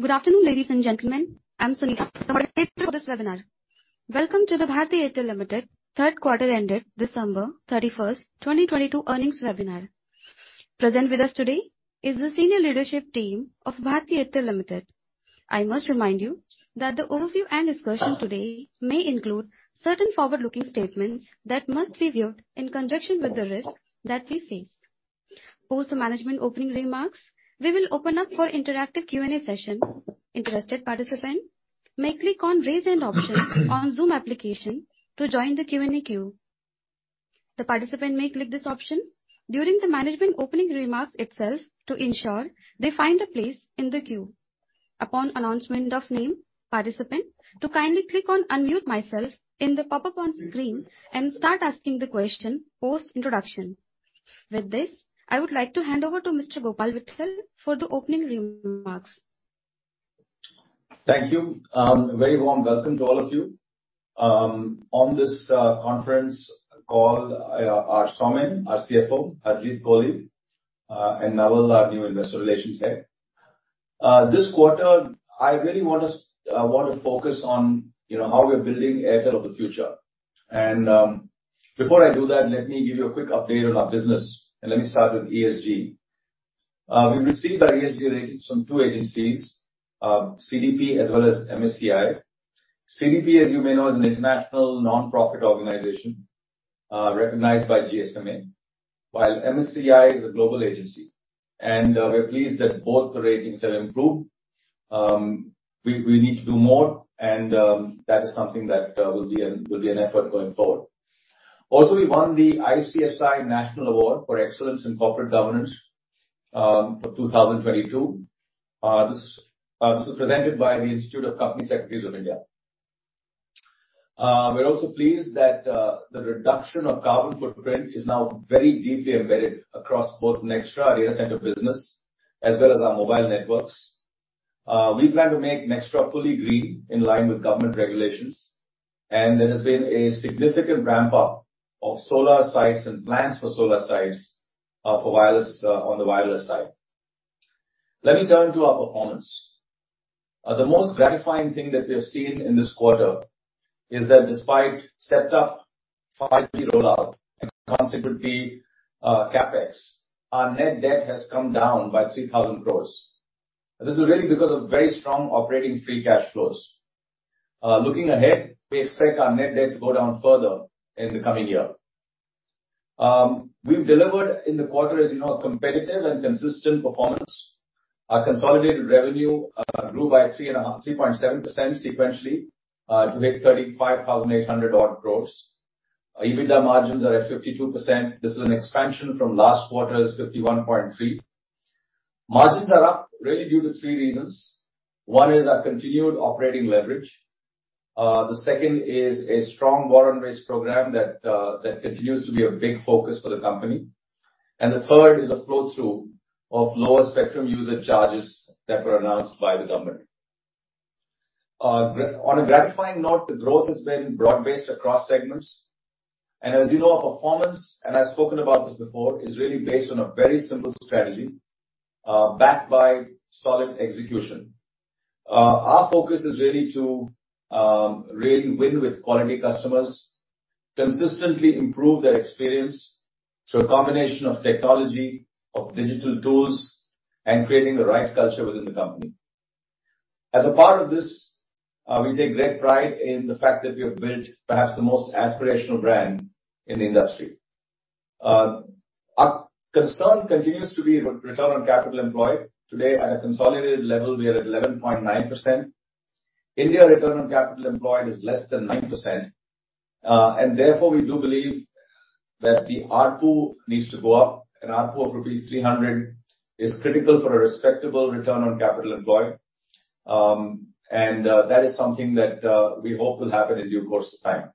Good afternoon, ladies and gentlemen. I'm Sonika, the operator for this webinar. Welcome to the Bharti Airtel Limited third quarter ended December 31st, 2022 earnings webinar. Present with us today is the senior leadership team of Bharti Airtel Limited. I must remind you that the overview and discussion today may include certain forward-looking statements that must be viewed in conjunction with the risks that we face. Post the management opening remarks, we will open up for interactive Q&A session. Interested participant may click on raise hand option on Zoom application to join the Q&A queue. The participant may click this option during the management opening remarks itself to ensure they find a place in the queue. Upon announcement of name, participant to kindly click on unmute myself in the pop-up on screen and start asking the question post-introduction. With this, I would like to hand over to Mr.Gopal Vittal for the opening remarks. Thank you. A very warm welcome to all of you on this conference call. Our Soumen, our CFO, Harjeet Kohli, and Naval, our new Head of Investor Relations. This quarter I really want to focus on, you know, how we are building Airtel of the future. Before I do that, let me give you a quick update on our business, and let me start with ESG. We've received our ESG ratings from two agencies, CDP as well as MSCI. CDP, as you may know, is an international nonprofit organization, recognized by GSMA, while MSCI is a global agency. We're pleased that both the ratings have improved. We need to do more and that is something that will be an effort going forward. Also, we won the ICSI National Award for Excellence in Corporate Governance for 2022. This was presented by the Institute of Company Secretaries of India. We're also pleased that the reduction of carbon footprint is now very deeply embedded across both Nxtra, our data center business, as well as our mobile networks. We plan to make Nxtra fully green in line with government regulations, and there has been a significant ramp up of solar sites and plans for solar sites for wireless on the wireless side. Let me turn to our performance. The most gratifying thing that we have seen in this quarter is that despite stepped up 5G rollout and consequently, CapEx, our net debt has come down by 3,000 crore. This is really because of very strong operating free cash flows. Looking ahead, we expect our net debt to go down further in the coming year. We've delivered in the quarter, as you know, a competitive and consistent performance. Our consolidated revenue grew by 3.7% sequentially to hit 35,800 odd crores. EBITDA margins are at 52%. This is an expansion from last quarter's 51.3%. Margins are up really due to three reasons. One is our continued operating leverage. The second is a strong churn-based program that continues to be a big focus for the company. The third is a flow-through of lower Spectrum Usage Charges that were announced by the government. On a gratifying note, the growth has been broad-based across segments. As you know, our performance, and I've spoken about this before, is really based on a very simple strategy, backed by solid execution. Our focus is really to really win with quality customers, consistently improve their experience through a combination of technology, of digital tools, and creating the right culture within the company. As a part of this, we take great pride in the fact that we have built perhaps the most aspirational brand in the industry. Our concern continues to be return on capital employed. Today at a consolidated level, we are at 11.9%. India return on capital employed is less than 9%. Therefore we do believe that the ARPU needs to go up. An ARPU of rupees 300 is critical for a respectable return on capital employed. That is something that we hope will happen in due course of time.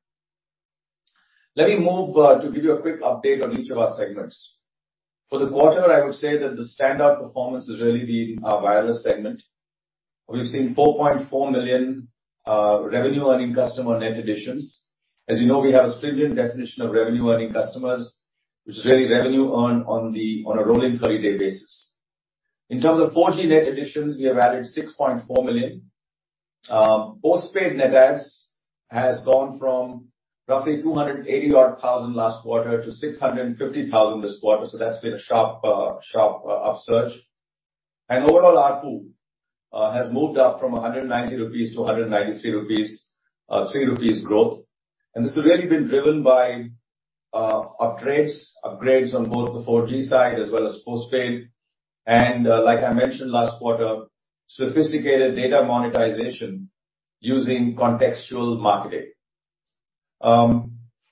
Let me move to give you a quick update on each of our segments. For the quarter, I would say that the standout performance has really been our wireless segment. We've seen 4.4 million revenue earning customer net additions. As you know, we have a stringent definition of revenue earning customers, which is really revenue earned on the, on a rolling 30-day basis. In terms of 4G net additions, we have added 6.4 million. Postpaid net adds has gone from roughly 280 odd thousand last quarter to 650 thousand this quarter. That's been a sharp upsurge. Overall ARPU has moved up from 190 rupees to 193 rupees, 3 rupees growth. This has really been driven by upgrades on both the 4G side as well as postpaid. Like I mentioned last quarter, sophisticated data monetization using contextual marketing.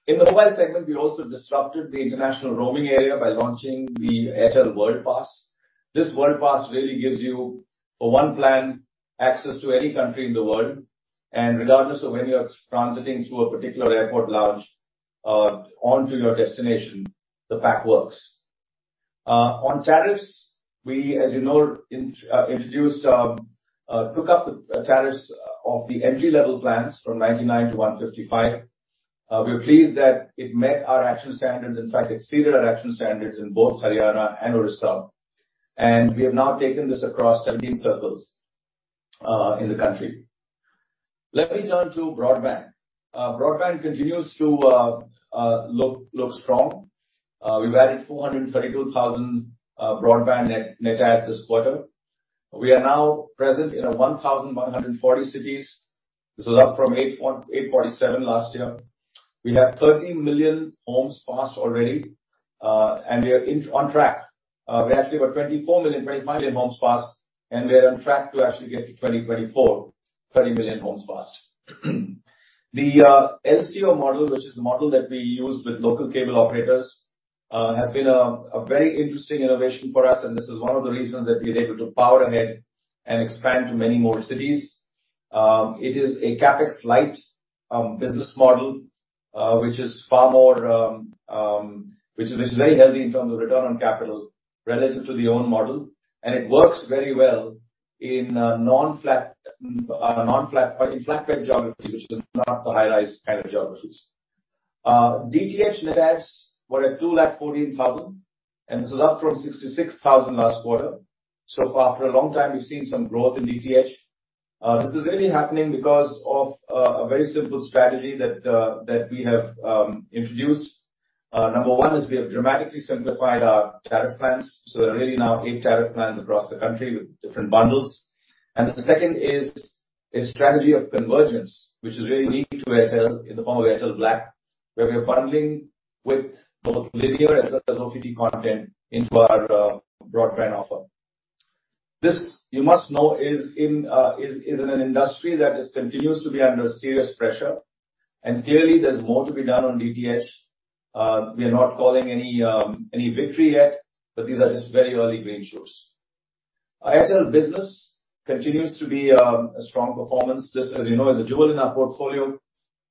In the mobile segment we also disrupted the international roaming area by launching the Airtel World Pass. This World Pass really gives you, for one plan, access to any country in the world. Regardless of when you are transiting through a particular airport lounge, onto your destination, the pack works. On tariffs, we, as you know, introduced, took up tariffs of the entry-level plans from 99 to 155. We are pleased that it met our action standards, in fact exceeded our action standards in both Haryana and Odisha, we have now taken this across 22 circles in the country. Let me turn to broadband. Broadband continues to look strong. We've added 432,000 broadband net adds this quarter. We are now present in 1,140 cities. This is up from 847 last year. We have 30 million homes passed already, we are on track. We actually have 25 million homes passed, we are on track to actually get to 2024, 30 million homes passed. The LCO model, which is the model that we use with local cable operators, has been a very interesting innovation for us, and this is one of the reasons that we are able to power ahead and expand to many more cities. It is a CapEx-light business model, which is very healthy in terms of return on capital relative to the own model. It works very well in non-flat, in flat-bed geographies, which is not the high-rise kind of geographies. DTH net adds were at 2 lakh 14,000, and this is up from 66,000 last quarter. After a long time, we've seen some growth in DTH. This is really happening because of a very simple strategy that we have introduced. Number one is we have dramatically simplified our tariff plans, so there are really now eight tariff plans across the country with different bundles. The second is a strategy of convergence, which is really unique to Airtel in the form of Airtel Black, where we are bundling with both linear as well as OTT content into our broadband offer. This, you must know, is in an industry that continues to be under serious pressure. Clearly there's more to be done on DTH. We are not calling any victory yet, but these are just very early green shoots. Airtel Business continues to be a strong performance. This, as you know, is a jewel in our portfolio.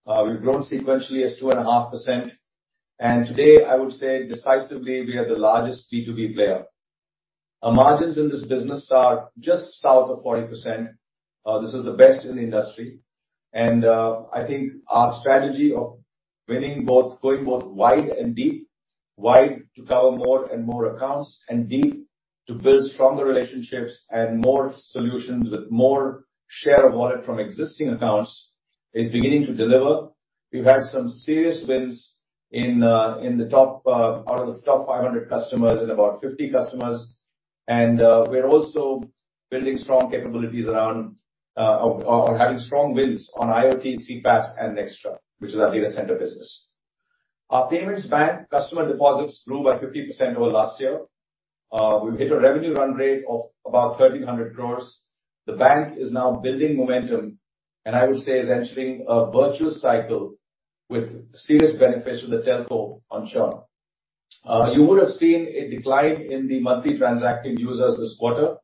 We've grown sequentially as 2.5%. Today, I would say decisively, we are the largest B2B player. Our margins in this business are just south of 40%. This is the best in the industry. I think our strategy of going both wide and deep, wide to cover more and more accounts, and deep to build stronger relationships and more solutions with more share of wallet from existing accounts, is beginning to deliver. We've had some serious wins in the top, out of the top 500 customers in about 50 customers. We're also building strong capabilities around having strong wins on IoT, CPaaS and Nxtra, which is our data center business. Our payments bank customer deposits grew by 50% over last year. We've hit a revenue run rate of about 1,300 crores. The bank is now building momentum, and I would say is entering a virtuous cycle with serious benefits to the telco on Churn. You would have seen a decline in the monthly transacting users this quarter,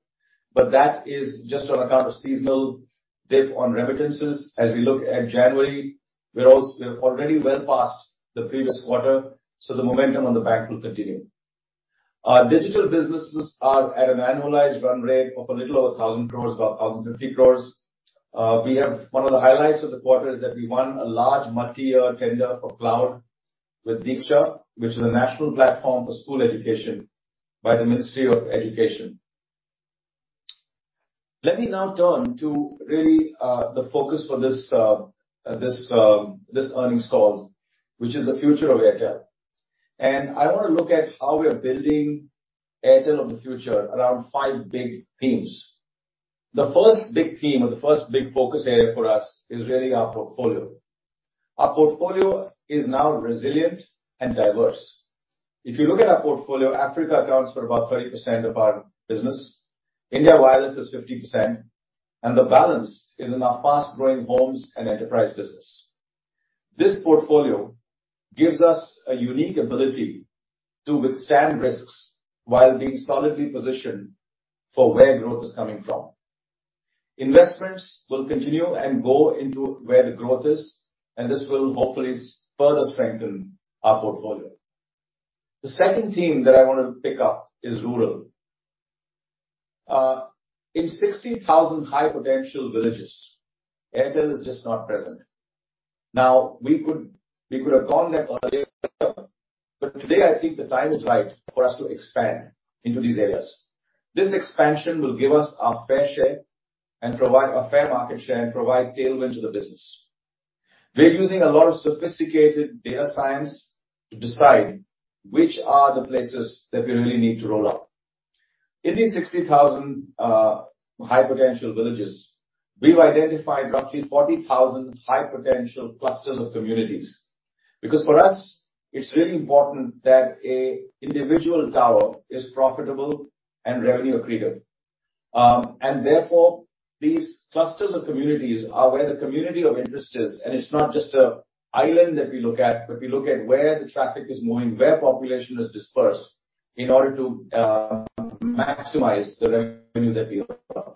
but that is just on account of seasonal dip on remittances. As we look at January, we're already well past the previous quarter, so the momentum on the bank will continue. Our digital businesses are at an annualized run rate of a little over 1,000 crores, about 1,050 crores. We have one of the highlights of the quarter is that we won a large multi-year tender for cloud with DIKSHA, which is a national platform for school education by the Ministry of Education. Let me now turn to really, the focus for this earnings call, which is the future of Airtel. I wanna look at how we are building Airtel of the future around five big themes. The first big theme or the first big focus area for us is really our portfolio. Our portfolio is now resilient and diverse. If you look at our portfolio, Africa accounts for about 30% of our business. India wireless is 50%, and the balance is in our fast-growing homes and enterprise business. This portfolio gives us a unique ability to withstand risks while being solidly positioned for where growth is coming from. Investments will continue and go into where the growth is, and this will hopefully further strengthen our portfolio. The second theme that I want to pick up is rural. In 60,000 high-potential villages, Airtel is just not present. We could have gone there earlier, but today I think the time is right for us to expand into these areas. This expansion will give us our fair share and provide a fair market share and provide tailwind to the business. We're using a lot of sophisticated data science to decide which are the places that we really need to roll out. In these 60,000 high-potential villages, we've identified roughly 40,000 high-potential clusters of communities. For us, it's really important that a individual tower is profitable and revenue accretive. Therefore, these clusters of communities are where the community of interest is. It's not just a island that we look at, but we look at where the traffic is moving, where population is dispersed in order to maximize the revenue that we offer.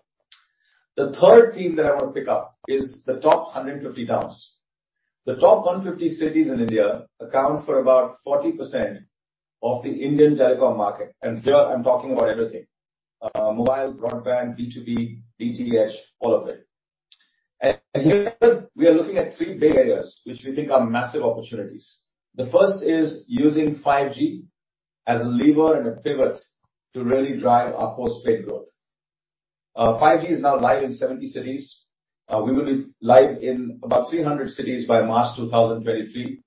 The third theme that I want to pick up is the top 150 towns. The top 150 cities in India account for about 40% of the Indian telecom market. Here I'm talking about everything. Mobile, broadband, B2B, DTH, all of it. Here we are looking at three big areas which we think are massive opportunities. The first is using 5G as a lever and a pivot to really drive our postpaid growth. 5G is now live in 70 cities. We will be live in about 300 cities by March 2023.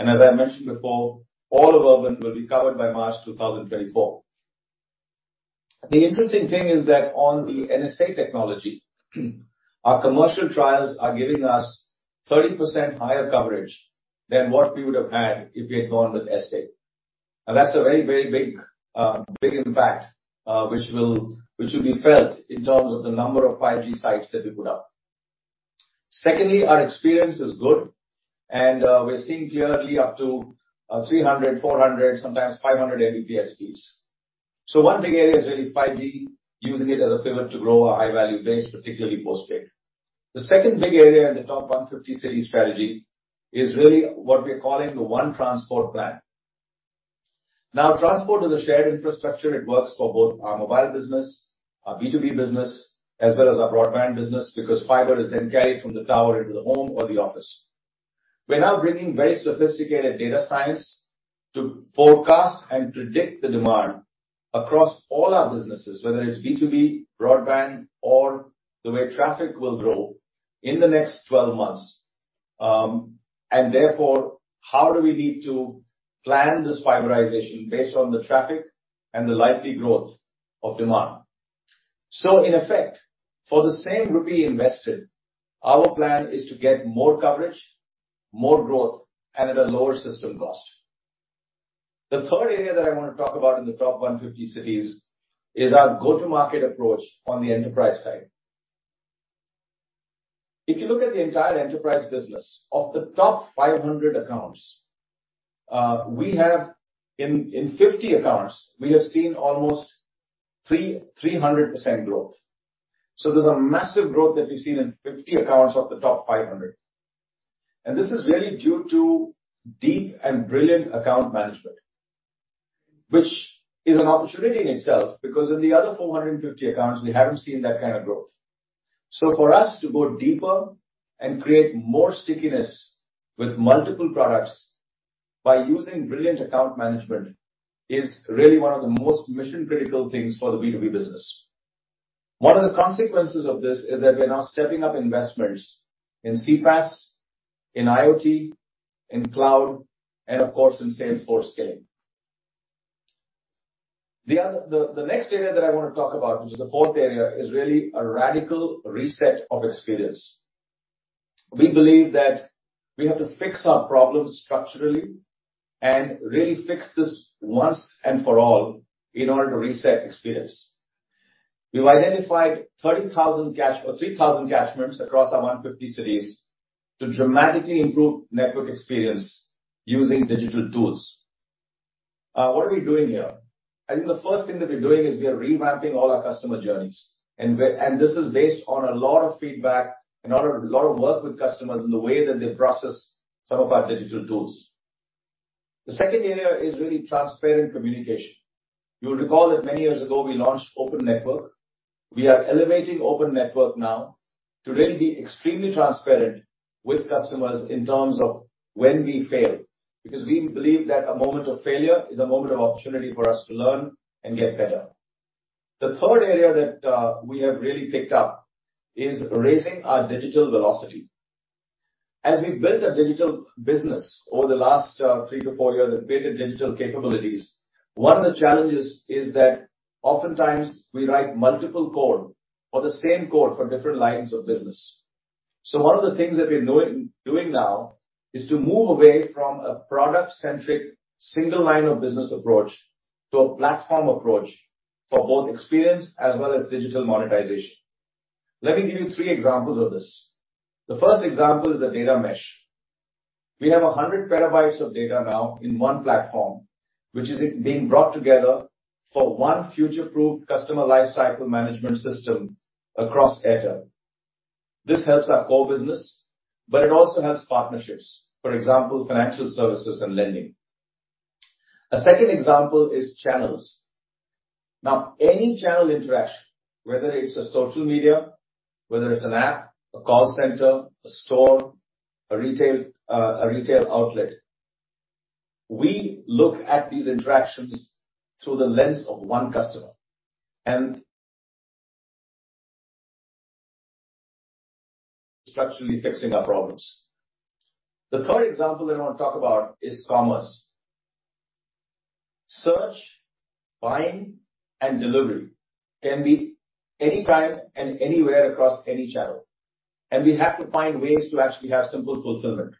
As I mentioned before, all of urban will be covered by March 2024. The interesting thing is that on the NSA technology, our commercial trials are giving us 30% higher coverage than what we would have had if we had gone with SA. That's a very, very big big impact which will be felt in terms of the number of 5G sites that we put up. Secondly, our experience is good and we're seeing clearly up to 300, 400, sometimes 500 Mbps speeds. One big area is really 5G, using it as a pivot to grow our high-value base, particularly postpaid. The second big area in the top 150 city strategy is really what we're calling the One Transport Plan. Transport is a shared infrastructure. It works for both our mobile business, our B2B business, as well as our broadband business, because fiber is then carried from the tower into the home or the office. We're now bringing very sophisticated data science to forecast and predict the demand across all our businesses, whether it's B2B, broadband, or the way traffic will grow in the next 12 months. Therefore, how do we need to plan this fiberization based on the traffic and the likely growth of demand? In effect, for the same INR invested, our plan is to get more coverage, more growth, and at a lower system cost. The third area that I wanna talk about in the top 150 cities is our go-to-market approach on the enterprise side. If you look at the entire enterprise business, of the top 500 accounts, we have in 50 accounts, we have seen almost 300% growth. There's a massive growth that we've seen in 50 accounts of the top 500. This is really due to deep and brilliant account management, which is an opportunity in itself because in the other 450 accounts, we haven't seen that kind of growth. For us to go deeper and create more stickiness with multiple products by using brilliant account management is really one of the most mission-critical things for the B2B business. One of the consequences of this is that we're now stepping up investments in CPaaS, in IoT, in cloud, and of course, in sales force scaling. The next area that I wanna talk about, which is the fourth area, is really a radical reset of experience. We believe that we have to fix our problems structurally and really fix this once and for all in order to reset experience. We've identified 30,000 catch... 3,000 catchments across our 150 cities to dramatically improve network experience using digital tools. What are we doing here? I think the first thing that we're doing is we are revamping all our customer journeys. This is based on a lot of feedback and on a lot of work with customers in the way that they process some of our digital tools. The second area is really transparent communication. You'll recall that many years ago we launched Open Network. We are elevating Open Network now to really be extremely transparent with customers in terms of when we fail, because we believe that a moment of failure is a moment of opportunity for us to learn and get better. The third area that we have really picked up is raising our digital velocity. As we built a digital business over the last, three to four years and built the digital capabilities, one of the challenges is that oftentimes we write multiple code or the same code for different lines of business. One of the things that we're doing now is to move away from a product-centric, single line of business approach to a platform approach for both experience as well as digital monetization. Let me give you three examples of this. The first example is the data mesh. We have 100 petabytes of data now in one platform, which is being brought together for one future-proof customer lifecycle management system across Airtel. This helps our core business, but it also helps partnerships. For example, financial services and lending. A second example is channels. Now, any channel interaction, whether it's a social media, whether it's an app, a call center, a store, a retail, a retail outlet, we look at these interactions through the lens of one customer and structurally fixing our problems. The third example I want to talk about is commerce. Search, buying, and delivery can be anytime and anywhere across any channel, and we have to find ways to actually have simple fulfillment.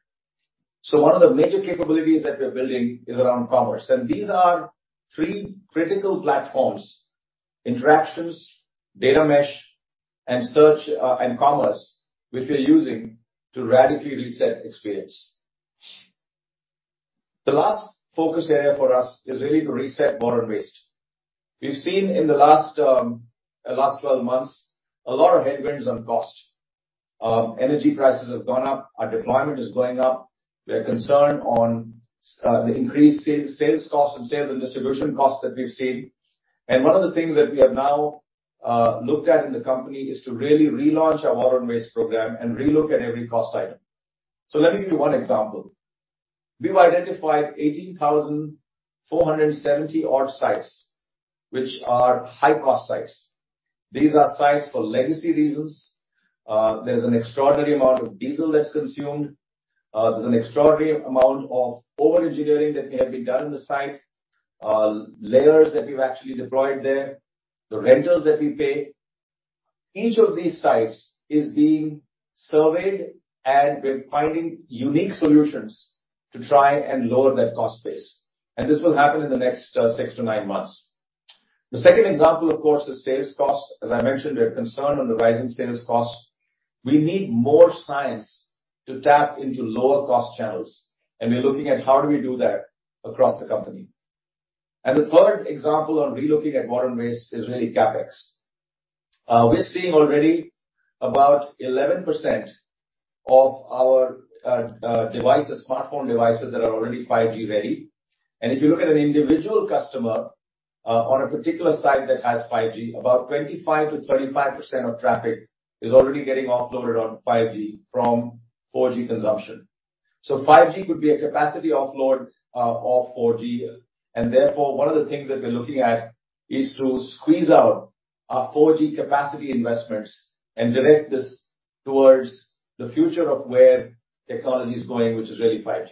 One of the major capabilities that we're building is around commerce. These are three critical platforms: interactions, data mesh, and search, and commerce, which we're using to radically reset experience. The last focus area for us is really to reset margin waste. We've seen in the last 12 months a lot of headwinds on cost. Energy prices have gone up. Our deployment is going up. We are concerned on the increased sales costs and sales and distribution costs that we've seen. One of the things that we have now looked at in the company is to really relaunch our network waste program and re-look at every cost item. Let me give you one example. We've identified 18,470 odd sites which are high-cost sites. These are sites for legacy reasons. There's an extraordinary amount of diesel that's consumed. There's an extraordinary amount of over-engineering that may have been done on the site. Layers that we've actually deployed there, the rentals that we pay. Each of these sites is being surveyed, and we're finding unique solutions to try and lower that cost base. This will happen in the next 6-9 months. The second example, of course, is sales cost. As I mentioned, we're concerned on the rising sales cost. We need more science to tap into lower cost channels, and we're looking at how do we do that across the company. The third example on relooking at network waste is really CapEx. We're seeing already about 11% of our devices, smartphone devices that are already 5G ready. If you look at an individual customer on a particular site that has 5G, about 25%-35% of traffic is already getting offloaded on 5G from 4G consumption. 5G could be a capacity offload of 4G. Therefore, one of the things that we're looking at is to squeeze out our 4G capacity investments and direct this towards the future of where technology is going, which is really 5G.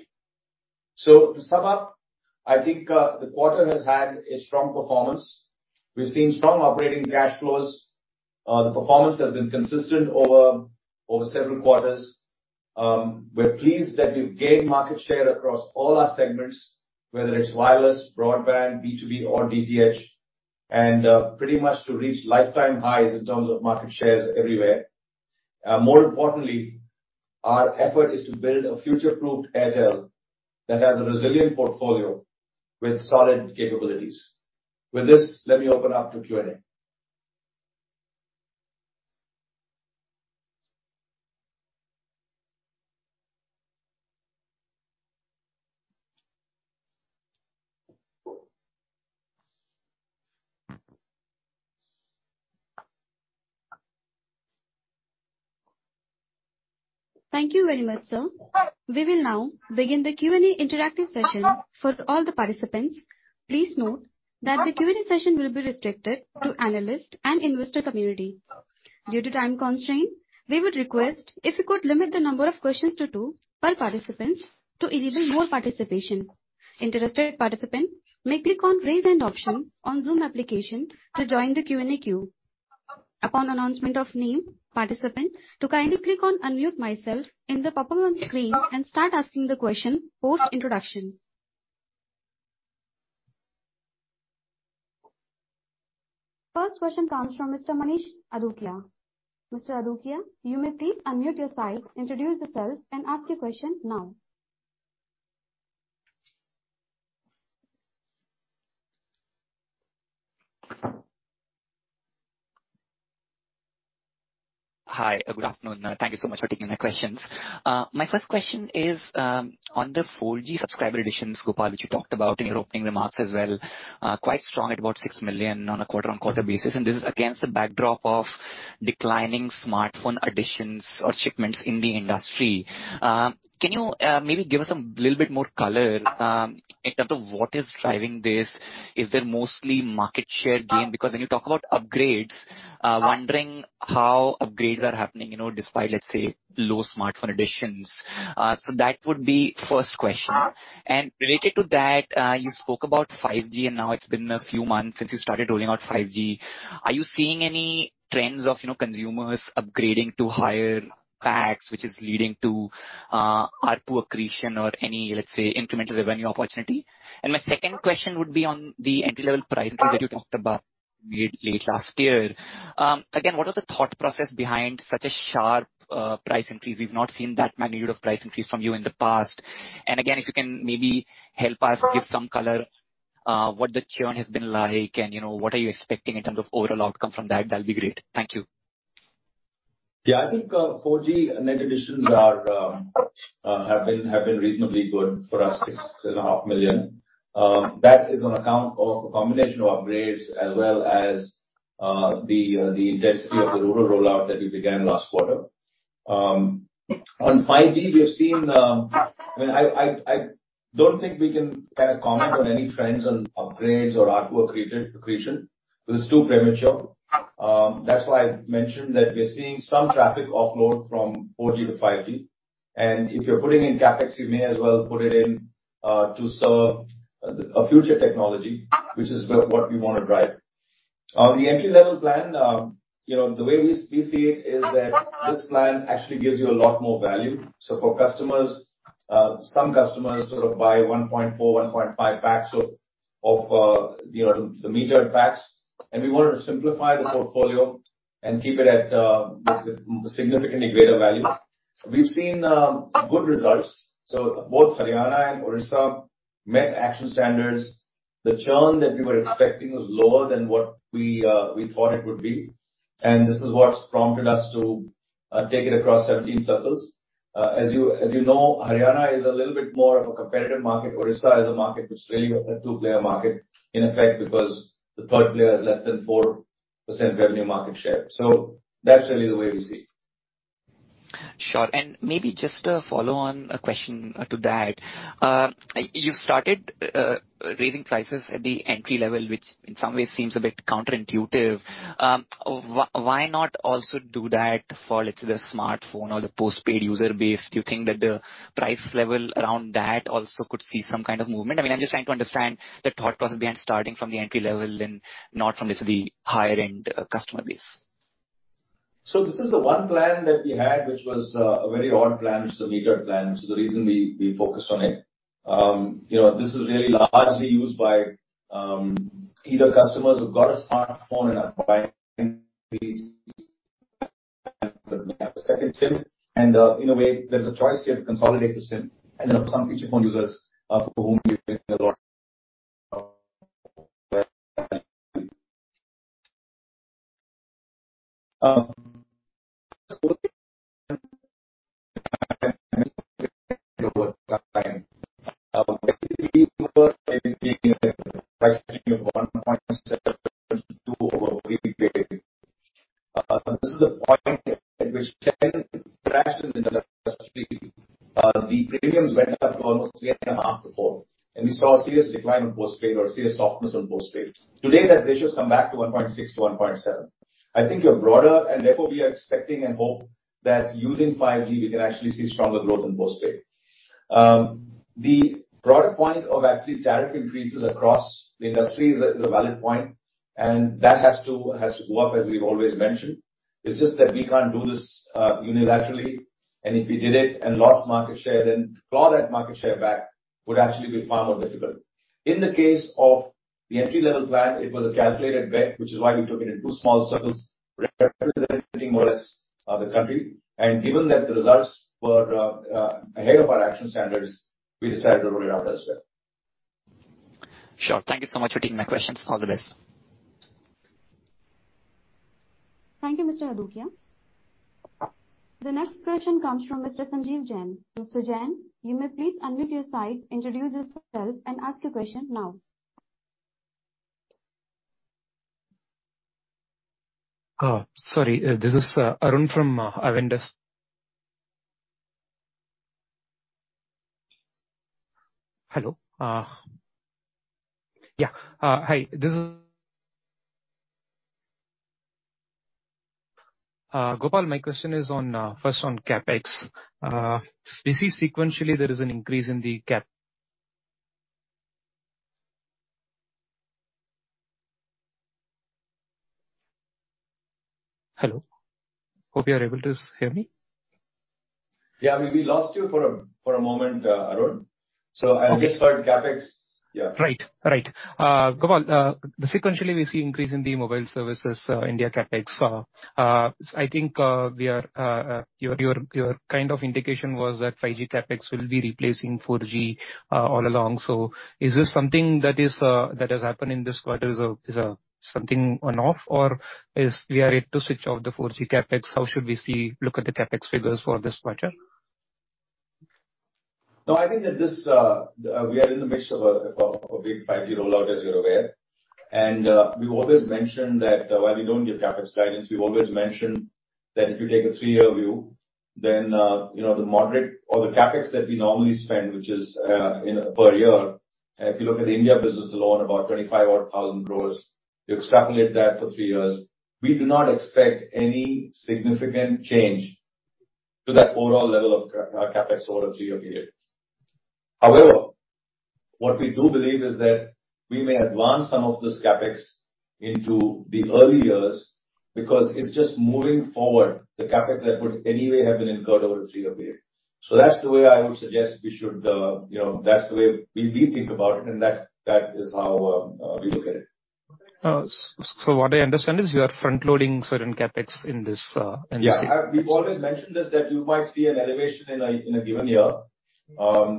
To sum up, I think, the quarter has had a strong performance. We've seen strong operating cash flows. The performance has been consistent over several quarters. We're pleased that we've gained market share across all our segments, whether it's wireless, broadband, B2B or DTH, and pretty much to reach lifetime highs in terms of market shares everywhere. More importantly, our effort is to build a future-proof Airtel that has a resilient portfolio with solid capabilities. With this, let me open up to Q&A. Thank you very much, sir. We will now begin the Q&A interactive session. For all the participants, please note that the Q&A session will be restricted to analyst and investor community. Due to time constraint, we would request if you could limit the number of questions to two per participants to enable more participation. Interested participant may click on raise hand option on Zoom application to join the Q&A queue. Upon announcement of name, participant to kindly click on Unmute Myself in the pop-up on screen and start asking the question post introduction. First question comes from Mr. Manish Adukia. Mr. Adukia, you may please unmute your side, introduce yourself and ask your question now. Hi. Good afternoon. Thank you so much for taking my questions. My first question is on the 4G subscriber additions, Gopal, which you talked about in your opening remarks as well, quite strong at about 6 million on a quarter-on-quarter basis, and this is against the backdrop of declining smartphone additions or shipments in the industry. Can you maybe give us a little bit more color in terms of what is driving this? Is there mostly market share gain? Because when you talk about upgrades, wondering how upgrades are happening, you know, despite, let's say, low smartphone additions. That would be first question. Related to that, you spoke about 5G, and now it's been a few months since you started rolling out 5G. Are you seeing any trends of, you know, consumers upgrading to higher packs, which is leading to ARPU accretion or any, let's say, incremental revenue opportunity? My second question would be on the entry-level pricing that you talked about mid, late last year. Again, what was the thought process behind such a sharp price increase? We've not seen that magnitude of price increase from you in the past. Again, if you can maybe help us give some color, what the churn has been like and, you know, what are you expecting in terms of overall outcome from that'll be great. Thank you. Yeah, I think, 4G net additions are, have been reasonably good for us, 6.5 million. That is on account of a combination of upgrades as well as the intensity of the rural rollout that we began last quarter. On 5G, we have seen. I don't think we can, kinda, comment on any trends on upgrades or ARPU accretion. It's too premature. That's why I mentioned that we are seeing some traffic offload from 4G to 5G. If you're putting in CapEx, you may as well put it in to serve a future technology, which is what we wanna drive. On the entry-level plan, you know, the way we see it is that this plan actually gives you a lot more value. For customers, some customers sort of buy 1.4, 1.5 packs of, you know, the major packs, and we wanted to simplify the portfolio and keep it with significantly greater value. We've seen good results. Both Haryana and Odisha met action standards. The churn that we were expecting was lower than what we thought it would be, and this is what's prompted us to take it across 17 circles. As you know, Haryana is a little bit more of a competitive market. Odisha is a market which is really a two-player market in effect because the third player has less than 4% revenue market share. That's really the way we see it. Sure. Maybe just a follow-on question to that. You've started raising prices at the entry level, which in some ways seems a bit counterintuitive. Why not also do that for, let's say, the smartphone or the postpaid user base? Do you think that the price level around that also could see some kind of movement? I mean, I'm just trying to understand the thought process behind starting from the entry level and not from, let's say, the higher-end customer base. This is the one plan that we had, which was a very odd plan, which is a metered plan. The reason we focused on it. You know, this is really largely used by either customers who've got a smartphone and are buying a second SIM. In a way, there's a choice here to consolidate the SIM and then some feature phone users, for whom we are doing a lot of... This is a point at which the premiums went up to almost 3.5 to 4, and we saw a serious decline in postpaid or a serious softness on postpaid. Today, that ratio has come back to 1.6 to 1.7. I think you are broader, and therefore we are expecting and hope that using 5G we can actually see stronger growth in postpaid. The broader point of actually tariff increases across the industry is a valid point, and that has to go up as we've always mentioned. It's just that we can't do this unilaterally, and if we did it and lost market share, then to claw that market share back would actually be far more difficult. In the case of the entry-level plan, it was a calculated bet, which is why we took it in 2 small circles representing more or less the country. Given that the results were ahead of our action standards, we decided to roll it out as well. Sure. Thank you so much for taking my questions. All the best. Thank you, Mr. Adukia. The next question comes from Mr. Sanjesh Jain. Mr. Jain, you may please unmute your side, introduce yourself, and ask your question now. Sorry, this is Arun from Avendus. Hello? Gopal, my question is on first on CapEx. We see sequentially there is an increase in the Cap... Hello? Hope you are able to hear me. Yeah. We lost you for a moment, Arun. Okay. I just heard CapEx. Yeah. Right. Right. Gopal, sequentially, we see increase in the mobile services, India CapEx. I think, we are, your kind of indication was that 5G CapEx will be replacing 4G, all along. Is this something that is, that has happened in this quarter as a something on off? Or is we are yet to switch off the 4G CapEx? How should we look at the CapEx figures for this quarter? No, I think that this, we are in the midst of a big 5G rollout, as you're aware. We've always mentioned that while we don't give CapEx guidance, we've always mentioned that if you take a three-year view, then, you know, the moderate or the CapEx that we normally spend, which is, in a per year, If you look at the India business alone, about 25,000 odd crores, you extrapolate that for three years, we do not expect any significant change to that overall level of CapEx over a three-year period. However, what we do believe is that we may advance some of this CapEx into the early years because it's just moving forward the CapEx that would anyway have been incurred over a three-year period. That's the way I would suggest we should, you know, that's the way we think about it and that is how we look at it. What I understand is you are front-loading certain CapEx in this. Yeah. We've always mentioned this, that you might see an elevation in a, in a given year. You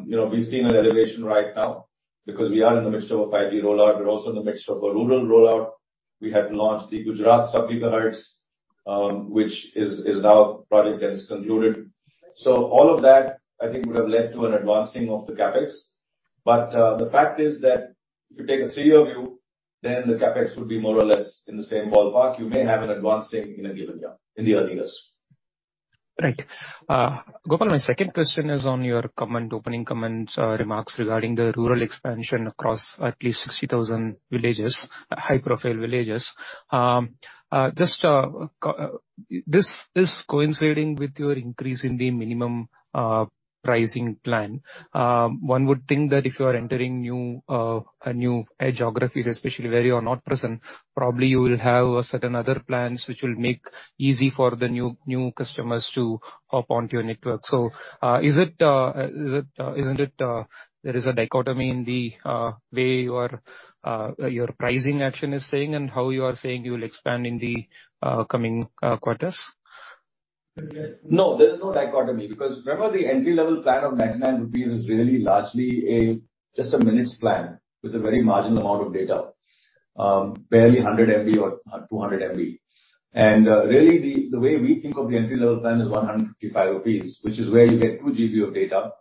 know, we've seen an elevation right now because we are in the midst of a 5G rollout. We're also in the midst of a rural rollout. We have launched the Gujarat sub-gigahertz, which is now a project that is concluded. All of that, I think, would have led to an advancing of the CapEx. The fact is that if you take a three-year view, then the CapEx would be more or less in the same ballpark. You may have an advancing in a given year, in the early years. Right. Gopal, my second question is on your comment, opening comments or remarks regarding the rural expansion across at least 60,000 villages, high-profile villages, just this coinciding with your increase in the minimum pricing plan. One would think that if you are entering new geographies especially where you are not present, probably you will have certain other plans which will make easy for the new customers to hop onto your network. Is it, isn't it, there is a dichotomy in the way your your pricing action is saying and how you are saying you will expand in the coming quarters? No, there's no dichotomy because remember the entry-level plan of 99 rupees is really largely a, just a minutes plan with a very marginal amount of data, barely 100 MB or 200 MB. Really the way we think of the entry-level plan is 155 rupees, which is where you get 2 GB of data.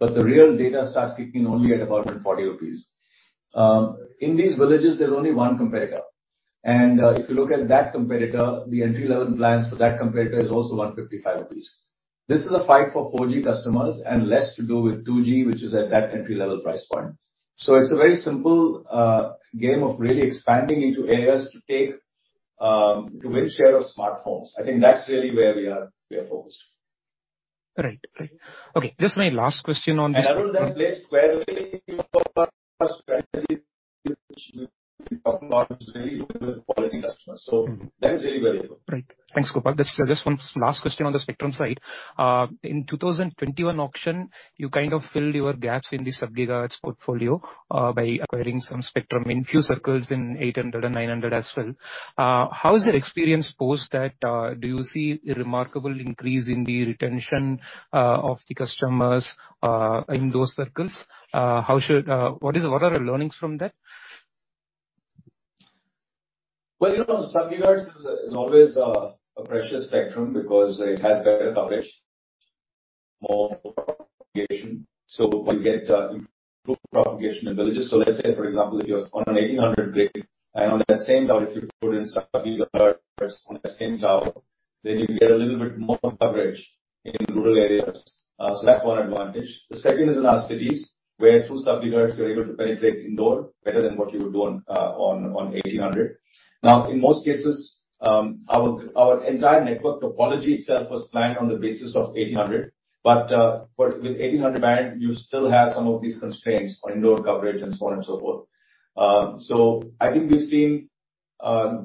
The real data starts kicking only at about 140 rupees. In these villages, there's only one competitor. If you look at that competitor, the entry-level plans for that competitor is also 155 rupees. This is a fight for 4G customers and less to do with 2G, which is at that entry-level price point. It's a very simple game of really expanding into areas to take to win share of smartphones. I think that's really where we are, we are focused. Right. Right. Okay. Just my last question on this- Arun, that plays squarely into our strategy, which we've talked about is really quality customers. That is really where we go. Right. Thanks, Gopal. That's just one last question on the spectrum side. In 2021 auction, you kind of filled your gaps in the sub-gigahertz portfolio, by acquiring some spectrum in few circles in 800 and 900 as well. How is your experience post that? Do you see a remarkable increase in the retention of the customers in those circles? What are the learnings from that? Well, you know, sub-gigahertz is always a precious spectrum because it has better coverage, more propagation. We get improved propagation in villages. Let's say for example, if you're on an 1800 grid, and on that same tower, if you put in sub-gigahertz on the same tower, then you get a little bit more coverage in rural areas. That's one advantage. The second is in our cities, where through sub-gigahertz you're able to penetrate indoor better than what you would do on 1800. In most cases, our entire network topology itself was planned on the basis of 1800. With 1800 band, you still have some of these constraints on indoor coverage and so on and so forth. I think we've seen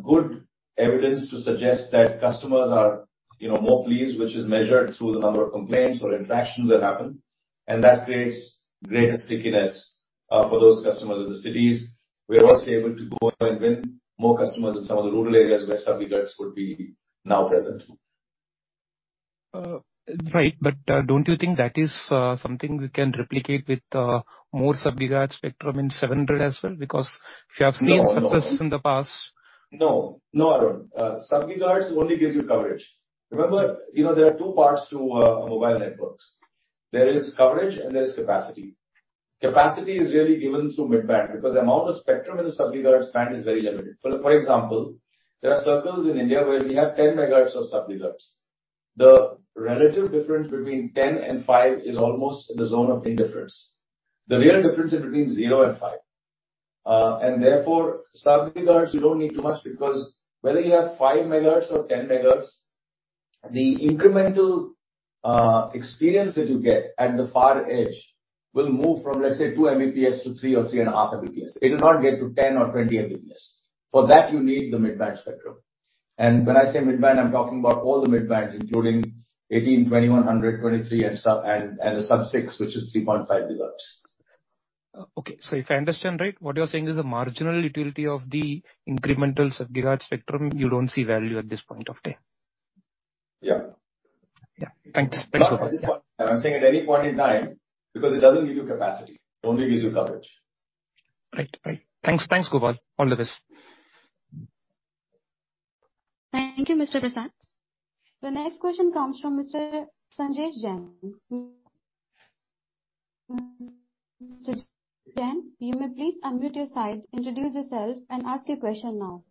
good evidence to suggest that customers are, you know, more pleased, which is measured through the number of complaints or interactions that happen. That creates greater stickiness for those customers in the cities. We are also able to go and win more customers in some of the rural areas where sub-gigahertz would be now present. Right. Don't you think that is something we can replicate with more sub-gigahertz spectrum in 700 as well? Because if you have seen success in the past- No, no, Arun. sub-gigahertz only gives you coverage. Remember, you know, there are 2 parts to mobile networks. There is coverage and there is capacity. Capacity is really given through mid-band because the amount of spectrum in the sub-gigahertz band is very limited. For example, there are circles in India where we have 10 megahertz of sub-gigahertz. The relative difference between 10 and 5 is almost in the zone of indifference. The real difference is between 0 and 5. Therefore, sub-gigahertz you don't need too much because whether you have 5 megahertz or 10 megahertz, the incremental experience that you get at the far edge will move from, let's say, 2 Mbps to 3 or 3 and a half Mbps. It will not get to 10 or 20 Mbps. For that, you need the mid-band spectrum. When I say mid-band, I'm talking about all the mid-bands, including 18, 2100, 23 and sub, and the sub-six, which is 3.5 gigahertz. Okay. If I understand right, what you're saying is the marginal utility of the incremental sub-gigahertz spectrum, you don't see value at this point of time. Yeah. Yeah. Thanks. Thanks, Gopal. I'm saying at any point in time, because it doesn't give you capacity, it only gives you coverage. Right. Right. Thanks. Thanks, Gopal. All the best. Thank you, Mr. Vasant. The next question comes from Mr. Sanjesh Jain. Mr. Jain, you may please unmute your side, introduce yourself, and ask your question now.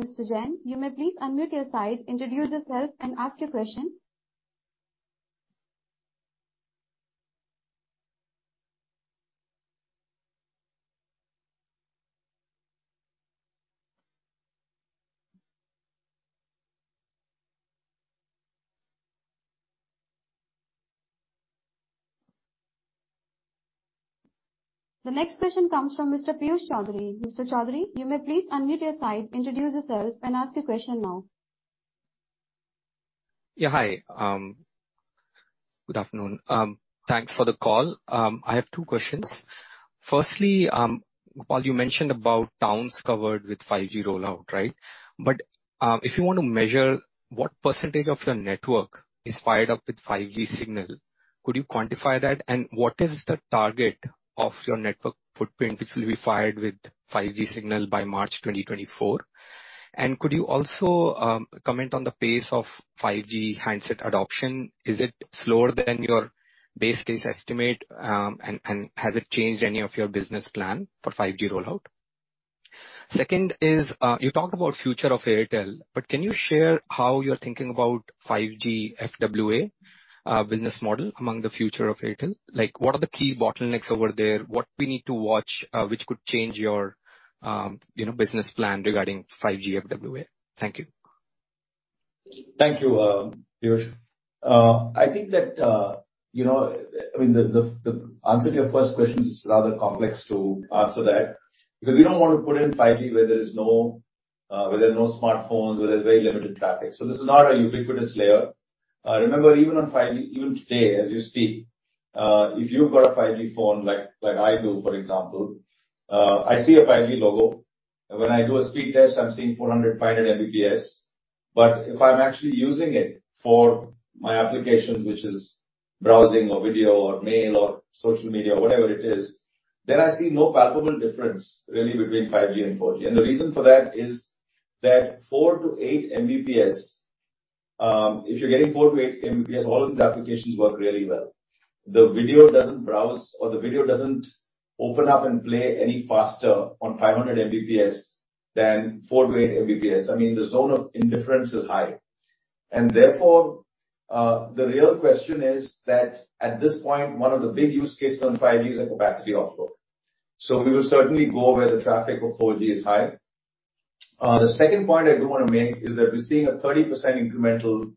The next question comes from Mr. Piyush Choudhary. Mr. Choudhary, you may please unmute your side, introduce yourself, and ask your question now. Yeah. Hi. Good afternoon. Thanks for the call. I have two questions. Firstly, Gopal, you mentioned about towns covered with 5G rollout, right? If you want to measure what % of your network is fired up with 5G signal, could you quantify that? What is the target of your network footprint, which will be fired with 5G signal by March 2024? Could you also comment on the pace of 5G handset adoption? Is it slower than your base case estimate? Has it changed any of your business plan for 5G rollout? Second is, you talked about future of Airtel, can you share how you're thinking about 5G FWA business model among the future of Airtel? Like, what are the key bottlenecks over there? What we need to watch, which could change your, you know, business plan regarding 5G FWA? Thank you. Thank you, Piyush. I think that, you know, I mean, the, the answer to your first question is rather complex to answer that, because we don't want to put in 5G where there is no, where there are no smartphones, where there's very limited traffic. This is not a ubiquitous layer. Remember, even on 5G, even today as we speak, if you've got a 5G phone like I do, for example, I see a 5G logo. When I do a speed test, I'm seeing 400, 500 Mbps. If I'm actually using it for my applications, which is browsing or video or mail or social media, whatever it is, then I see no palpable difference really between 5G and 4G. The reason for that is that 4 to 8 Mbps, if you're getting 4 to 8 Mbps, all of these applications work really well. The video doesn't browse or the video doesn't open up and play any faster on 500 Mbps than 4 to 8 Mbps. I mean, the zone of indifference is high. Therefore, the real question is that at this point, one of the big use cases on 5G is a capacity offload. We will certainly go where the traffic of 4G is high. The second point I do wanna make is that we're seeing a 30% incremental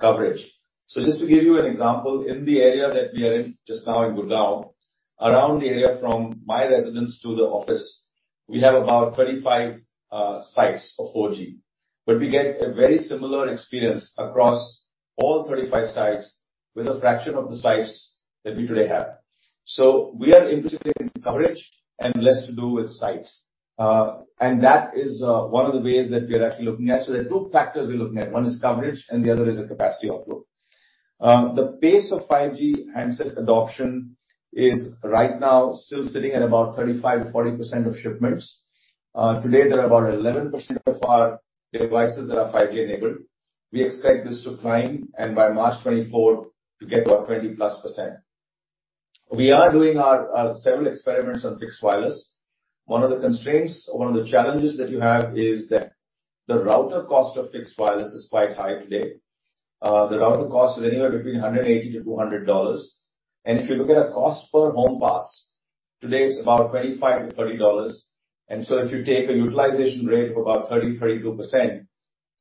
coverage. Just to give you an example, in the area that we are in just now in Gurgaon, around the area from my residence to the office, we have about 35 sites of 4G. We get a very similar experience across all 35 sites with a fraction of the sites that we today have. We are interested in coverage and less to do with sites. That is one of the ways that we are actually looking at. There are 2 factors we're looking at. 1 is coverage, and the other is a capacity offload. The pace of 5G handset adoption is right now still sitting at about 35%-40% of shipments. Today, there are about 11% of our devices that are 5G enabled. We expect this to climb, and by March 2024 to get to our 20%+. We are doing our several experiments on fixed wireless. 1 of the constraints or 1 of the challenges that you have is that the router cost of fixed wireless is quite high today. The router cost is anywhere between $180-$200. If you look at a cost per home pass, today it's about $25-$30. If you take a utilization rate of about 30%-32%,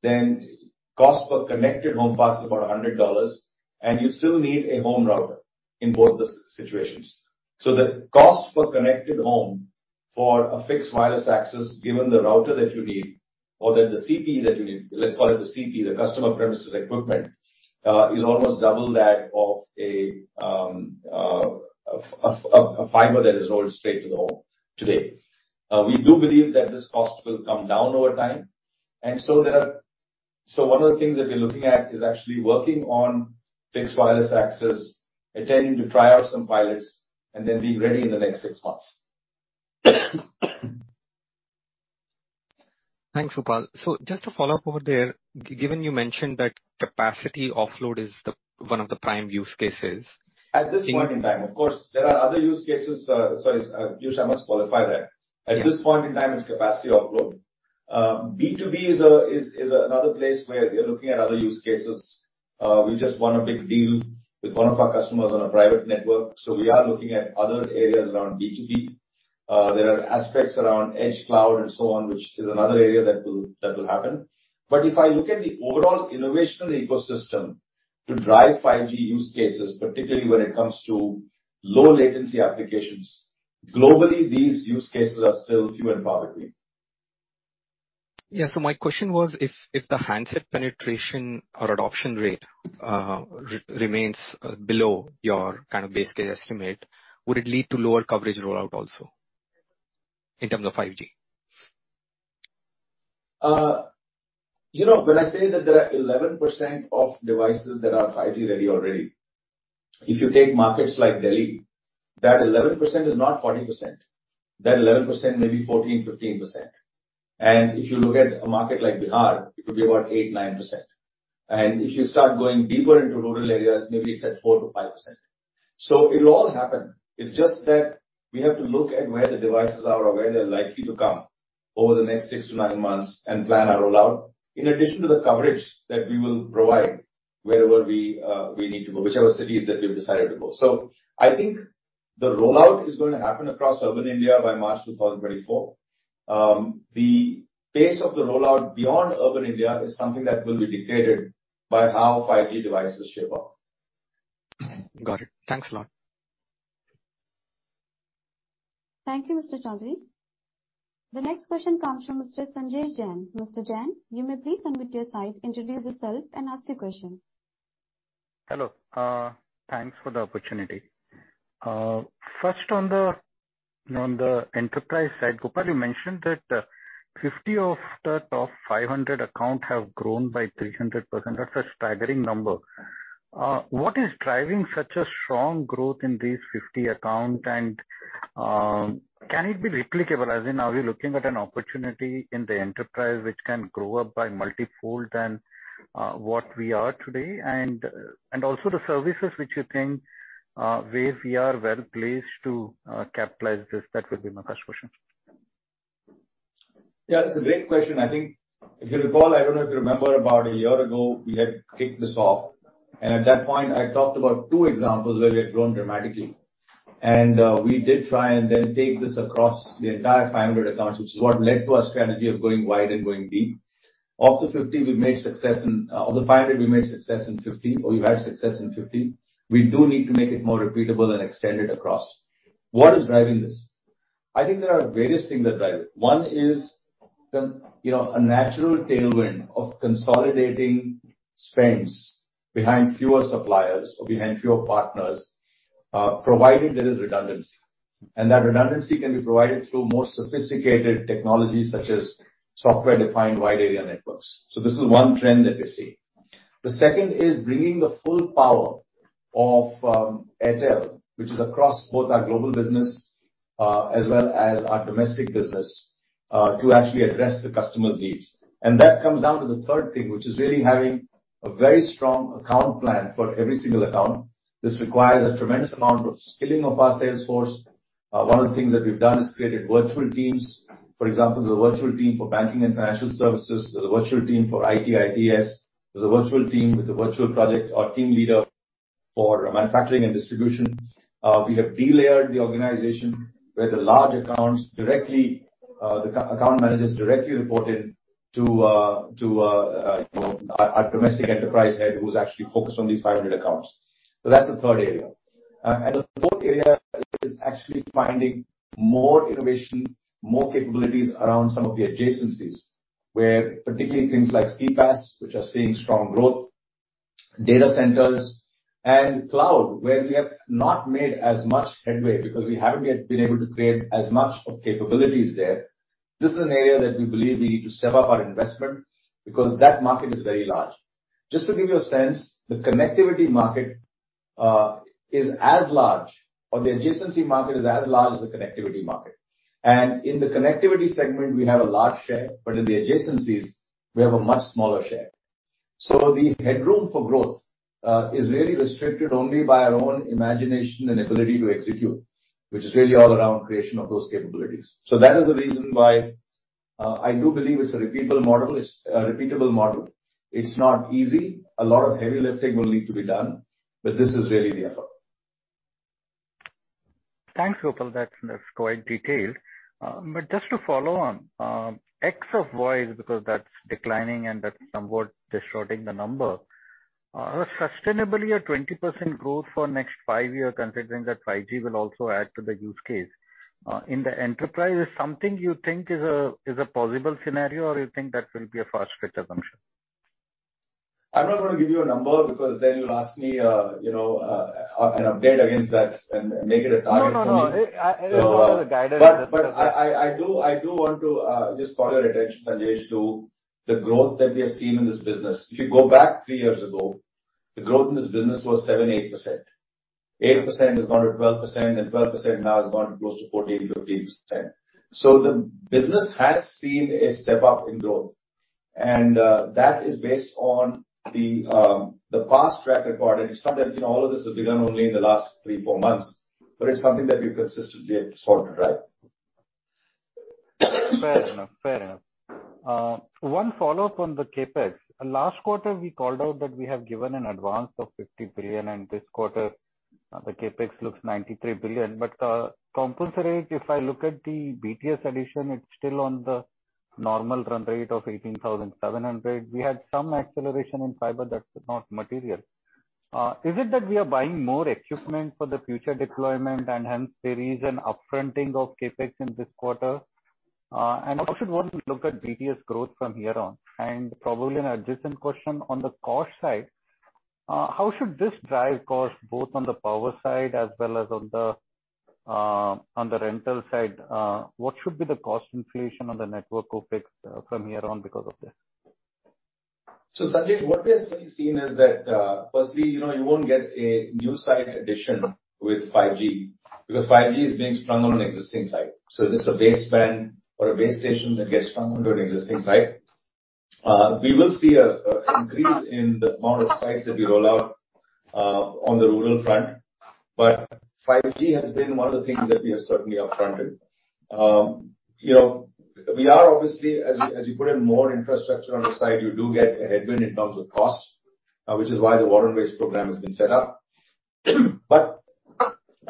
then cost per connected home pass is about $100, and you still need a home router in both the situations. The cost for connected home for a fixed wireless access, given the router that you need or that the CPE that you need, let's call it the CPE, the customer premises equipment, is almost double that of a fiber that is rolled straight to the home today. We do believe that this cost will come down over time. There are...One of the things that we're looking at is actually working on fixed wireless access, intending to try out some pilots, and then being ready in the next six months. Thanks, Gopal. Just to follow up over there, given you mentioned that capacity offload is the, one of the prime use cases- At this point in time. Of course, there are other use cases. Sorry, Yush, I must qualify that. Yeah. At this point in time, it's capacity offload. B2B is another place where we are looking at other use cases. We just won a big deal with one of our customers on a private network, we are looking at other areas around B2B. There are aspects around edge cloud and so on, which is another area that will happen. If I look at the overall innovation ecosystem to drive 5G use cases, particularly when it comes to low latency applications, globally, these use cases are still few and far between. Yeah. my question was if the handset penetration or adoption rate remains below your kind of base case estimate, would it lead to lower coverage rollout also in terms of 5G? you know, when I say that there are 11% of devices that are 5G ready already, if you take markets like Delhi, that 11% is not 40%. That 11% may be 14%, 15%. If you look at a market like Bihar, it could be about 8%, 9%. If you start going deeper into rural areas, maybe it's at 4%-5%. It'll all happen. It's just that we have to look at where the devices are or where they're likely to come over the next 6-9 months and plan our rollout in addition to the coverage that we will provide wherever we need to go, whichever cities that we've decided to go. I think the rollout is gonna happen across urban India by March 2024. The pace of the rollout beyond urban India is something that will be dictated by how 5G devices shape up. Got it. Thanks a lot. Thank you, Mr. Chaudhry. The next question comes from Mr. Sanjesh Jain. Mr. Jain, you may please unmute your side, introduce yourself, and ask your question. Hello. Thanks for the opportunity. First on the, on the enterprise side, Gopal, you mentioned that 50 of the top 500 account have grown by 300%. That's a staggering number. What is driving such a strong growth in these 50 account? Can it be replicable? As in, are we looking at an opportunity in the enterprise which can grow up by multifold than what we are today? And also the services which you think where we are well placed to capitalize this. That would be my first question. Yeah, that's a great question. I think if you recall, I don't know if you remember about a year ago, we had kicked this off. At that point I talked about 2 examples where we had grown dramatically. We did try and then take this across the entire 500 accounts, which is what led to our strategy of going wide and going deep. Of the 500 we've made success in 50, or we've had success in 50. We do need to make it more repeatable and extend it across. What is driving this? I think there are various things that drive it. One is the, you know, a natural tailwind of consolidating spends behind fewer suppliers or behind fewer partners, provided there is redundancy. That redundancy can be provided through more sophisticated technologies such as software-defined wide area networks. This is one trend that we see. The second is bringing the full power of Airtel, which is across both our global business as well as our domestic business to actually address the customer's needs. That comes down to the third thing, which is really having a very strong account plan for every single account. This requires a tremendous amount of skilling of our sales force. One of the things that we've done is created virtual teams. For example, there's a virtual team for banking and financial services. There's a virtual team for IT/ITeS. There's a virtual team with a virtual project or team leader for manufacturing and distribution. We have de-layered the organization, where the large accounts directly, the account managers directly report in to, you know, our domestic enterprise head who's actually focused on these 500 accounts. That's the third area. The fourth area is actually finding more innovation, more capabilities around some of the adjacencies, where particularly things like CPaaS, which are seeing strong growth, data centers and cloud, where we have not made as much headway because we haven't yet been able to create as much of capabilities there. This is an area that we believe we need to step up our investment because that market is very large. Just to give you a sense, the connectivity market is as large or the adjacency market is as large as the connectivity market. In the connectivity segment we have a large share, but in the adjacencies we have a much smaller share. The headroom for growth, is really restricted only by our own imagination and ability to execute, which is really all around creation of those capabilities. That is the reason why, I do believe it's a repeatable model. It's a repeatable model. It's not easy. A lot of heavy lifting will need to be done, but this is really the effort. Thanks, Gopal. That's quite detailed. Just to follow on, X of Y, because that's declining and that's somewhat distorting the number. Sustainably a 20% growth for next 5 year, considering that 5G will also add to the use case, in the enterprise, is something you think is a possible scenario or you think that will be a fast-fitted function? I'm not gonna give you a number because then you'll ask me, you know, an update against that and make it a target for me. No, no. It was not a guidance. I do want to just call your attention, Sanjesh, to the growth that we have seen in this business. If you go back 3 years ago, the growth in this business was 7%-8%. 8% has gone to 12%, and 12% now has gone to close to 14%-15%. The business has seen a step up in growth. That is based on the past track record. It's not that, you know, all of this has begun only in the last 3, 4 months, but it's something that we've consistently sorted, right? Fair enough. Fair enough. One follow-up on the CapEx. Last quarter, we called out that we have given an advance of 50 billion, this quarter, the CapEx looks 93 billion. Compulsory, if I look at the BTS addition, it's still on the normal run rate of 18,700. We had some acceleration in fiber. That's not material. Is it that we are buying more equipment for the future deployment and hence there is an up-fronting of CapEx in this quarter? How should one look at BTS growth from here on? Probably an adjacent question, on the cost side, how should this drive cost both on the power side as well as on the, on the rental side? What should be the cost inflation on the network OpEx from here on because of this? Sanjesh, what we have seen is that, firstly, you know, you won't get a new site addition with 5G because 5G is being sprung on an existing site. Just a baseband or a base station that gets sprung onto an existing site. We will see a increase in the amount of sites that we roll out on the rural front. 5G has been one of the things that we have certainly up-fronted. Y ou know, we are obviously, as you put in more infrastructure on the side, you do get a headwind in terms of cost, which is why the power and waste program has been set up.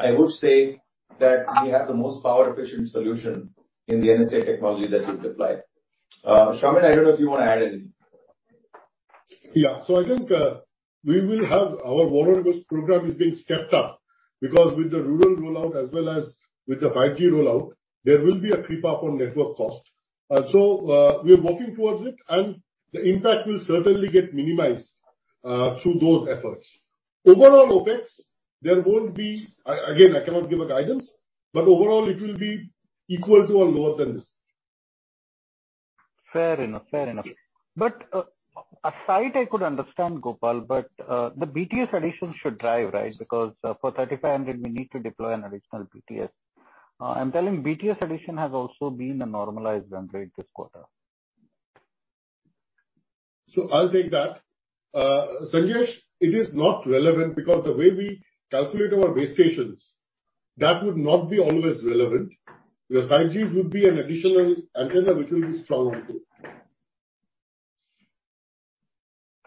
I would say that we have the most power efficient solution in the NSA technology that we've deployed. Shamim, I don't know if you want to add anything? Yeah. Our power and waste program is being stepped up because with the rural rollout as well as with the 5G rollout, there will be a creep up on network cost. We are working towards it, and the impact will certainly get minimized through those efforts. Overall OpEx, there won't be. Again, I cannot give a guidance, but overall it will be equal to or lower than this. Fair enough. Fair enough. A site I could understand, Gopal, the BTS additions should drive, right? For 3,500 we need to deploy an additional BTS. I'm telling BTS addition has also been a normalized run rate this quarter. I'll take that. Sanjesh, it is not relevant because the way we calculate our base stations, that would not be always relevant, because 5G would be an additional antenna which will be strung onto.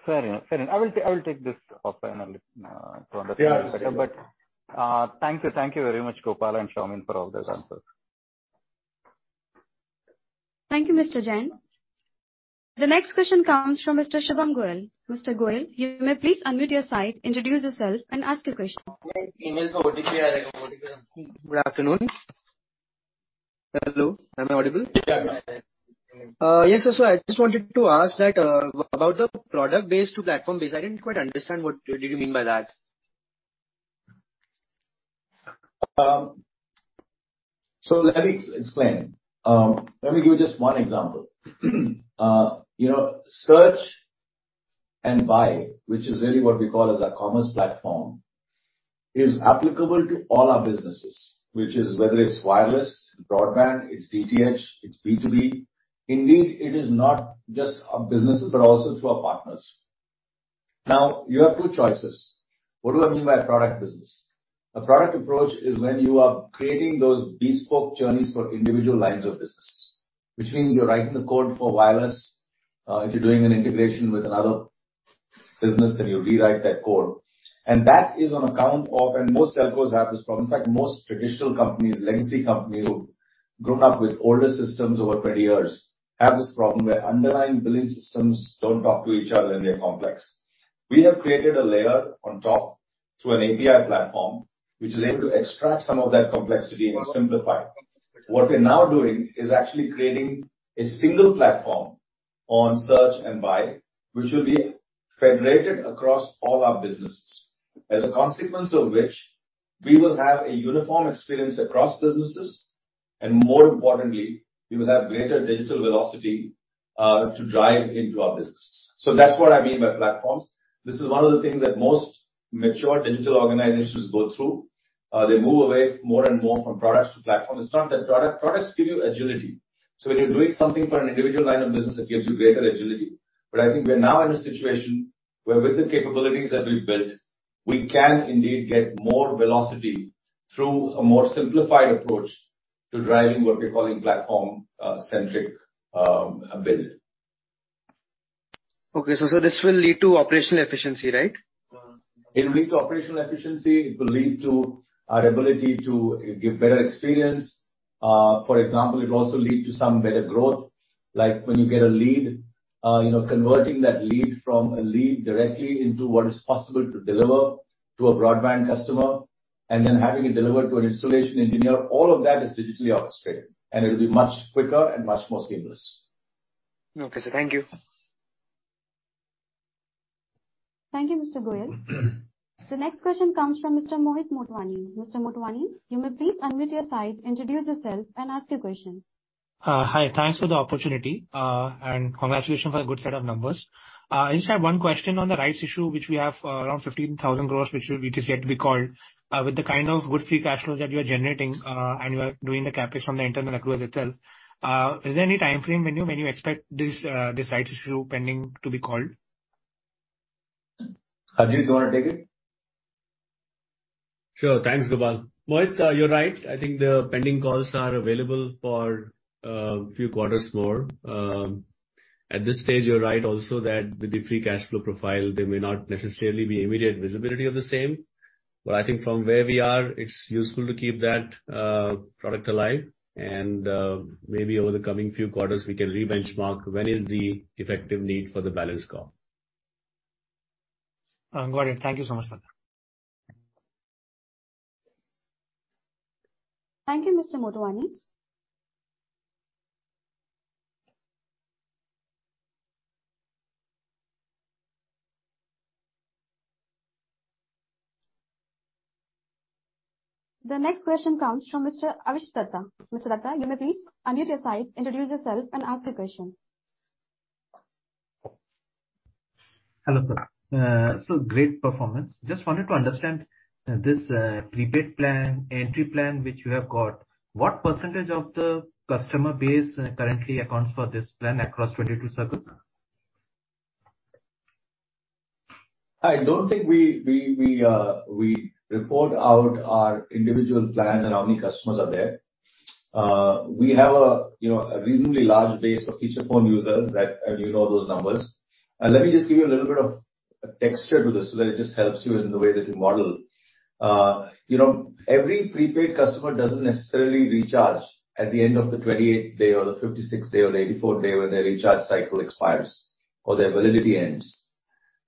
Fair enough. Fair enough. I will take this up finally, to understand it better. Yeah, sure. Thank you very much, Gopal and Soumen, for all those answers. Thank you, Mr. Jain. The next question comes from Mr. Shubham Goyal. Mr. Goyal, you may please unmute your side, introduce yourself and ask your question. Good afternoon. Hello, am I audible? Yeah. Yes, sir. I just wanted to ask that about the product base to platform base. I didn't quite understand what do you mean by that? Let me explain. Let me give you just one example. You know, search and buy, which is really what we call as our commerce platform, is applicable to all our businesses, which is whether it's wireless, broadband, it's DTH, it's B2B. Indeed, it is not just our businesses but also to our partners. Now you have two choices. What do I mean by a product business? A product approach is when you are creating those bespoke journeys for individual lines of business. Which means you're writing the code for wireless. If you're doing an integration with another business, then you rewrite that code. That is on account of. Most telcos have this problem. In fact, most traditional companies, legacy companies who've grown up with older systems over 20 years have this problem, where underlying billing systems don't talk to each other and they're complex. We have created a layer on top through an API platform, which is able to extract some of that complexity and simplify it. What we're now doing is actually creating a single platform on search and buy, which will be federated across all our businesses. As a consequence of which, we will have a uniform experience across businesses, and more importantly, we will have greater digital velocity to drive into our business. That's what I mean by platforms. This is one of the things that most mature digital organizations go through. They move away more and more from products to platforms. It's not that Products give you agility. When you're doing something for an individual line of business, it gives you greater agility. I think we're now in a situation where with the capabilities that we've built, we can indeed get more velocity through a more simplified approach to driving what we're calling platform centric build. Okay. This will lead to operational efficiency, right? It will lead to operational efficiency. It will lead to our ability to give better experience. For example, it will also lead to some better growth, like when you get a lead, you know, converting that lead from a lead directly into what is possible to deliver to a broadband customer, and then having it delivered to an installation engineer. All of that is digitally orchestrated, and it'll be much quicker and much more seamless. Okay, sir. Thank you. Thank you, Mr. Goyal The next question comes from Mr. Mohit Motwani. Mr. Motwani, you may please unmute your side, introduce yourself and ask your question. Hi. Thanks for the opportunity. And congratulations for a good set of numbers. I just have one question on the rights issue, which we have, around 15,000 crores, which is yet to be called. With the kind of good free cash flows that you are generating, and you are doing the CapEx from the internal accruals itself, is there any timeframe when you expect this rights issue pending to be called? Ajit, do you wanna take it? Sure. Thanks, Gopal. Mohit, you're right. I think the pending calls are available for few quarters more. At this stage, you're right also that with the free cash flow profile, there may not necessarily be immediate visibility of the same. But I think from where we are, it's useful to keep that product alive and maybe over the coming few quarters we can re-benchmark when is the effective need for the balance call. Got it. Thank you so much for that. Thank you, Mr. Motwani. The next question comes from Mr. Avishek Datta. Mr. Datta, you may please unmute your side, introduce yourself and ask your question. Hello, sir. Great performance. Just wanted to understand this, prepaid plan, entry plan, which you have got. What percentage of the customer base currently accounts for this plan across 22 circles? I don't think we report out our individual plans and how many customers are there. We have a, you know, a reasonably large base of feature phone users that... and you know those numbers. Let me just give you a little bit of texture to this so that it just helps you in the way that you model. You know, every prepaid customer doesn't necessarily recharge at the end of the 28th day or the 56th day or the 84th day when their recharge cycle expires or their validity ends.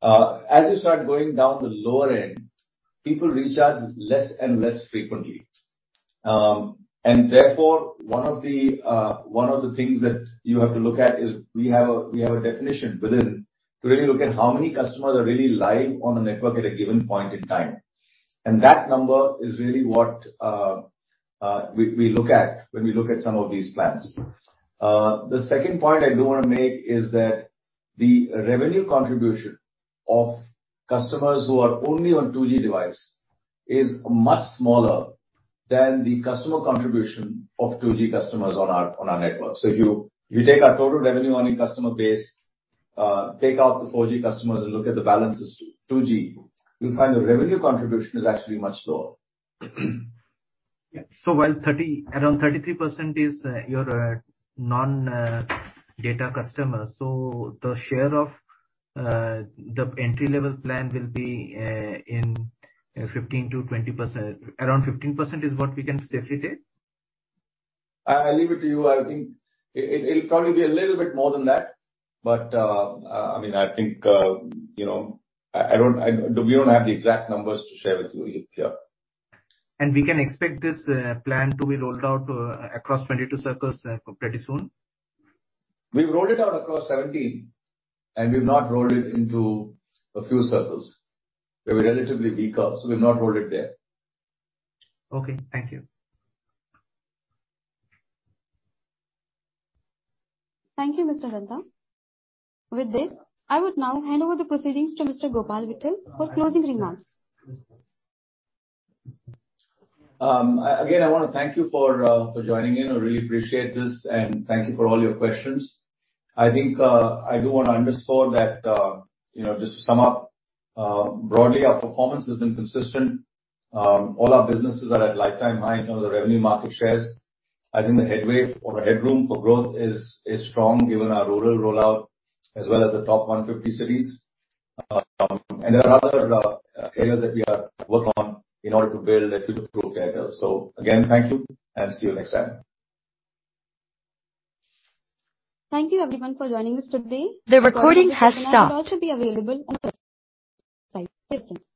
As you start going down the lower end, people recharge less and less frequently. One of the things that you have to look at is we have a definition within to really look at how many customers are really live on the network at a given point in time. That number is really what we look at when we look at some of these plans. The second point I do wanna make is that the revenue contribution of customers who are only on 2G device is much smaller than the customer contribution of 2G customers on our network. If you take our total revenue on a customer base, take out the 4G customers and look at the balances to 2G, you'll find the revenue contribution is actually much lower. While around 33% is your non data customers. The share of the entry level plan will be in 15%-20%. Around 15% is what we can safely take? I leave it to you. I think it'll probably be a little bit more than that, but, I mean, I think, you know. We don't have the exact numbers to share with you here. We can expect this plan to be rolled out across 22 circles pretty soon? We've rolled it out across 17, and we've not rolled it into a few Circles. They were relatively weaker, so we've not rolled it there. Okay. Thank you. Thank you, Mr. Datta. With this, I would now hand over the proceedings to Mr. Gopal Vittal for closing remarks. Again, I wanna thank you for joining in. I really appreciate this, thank you for all your questions. I think, I do wanna underscore that, you know, just to sum up, broadly our performance has been consistent. All our businesses are at lifetime high in terms of revenue market shares. I think the headway or the headroom for growth is strong given our rural rollout as well as the top 150 cities. There are other areas that we are working on in order to build a future-proof Airtel. Again, thank you, and see you next time. Thank you everyone for joining us today. The recording has stopped. The recording of this webinar will also be available on our website. Thank you.